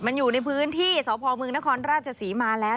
มันอยู่ในพื้นที่สพเมืองนครราชศรีมาแล้ว